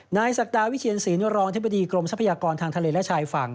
ศักดาวิเชียนศีลรองอธิบดีกรมทรัพยากรทางทะเลและชายฝั่ง